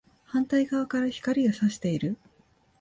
反対側から光が射している